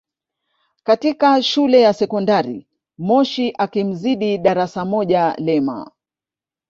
katika Shule ya Sekondari Moshi akimzidi darasa moja Lema